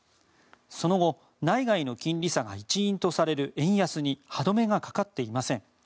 その後、内外の金利差が一因とされる円安に歯止めがかかっていません。